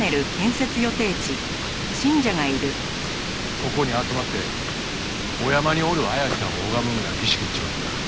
ここに集まってお山におる彩ちゃんを拝むんが儀式っちゅうわけか。